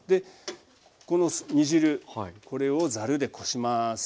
この煮汁これをざるでこします。